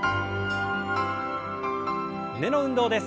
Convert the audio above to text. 胸の運動です。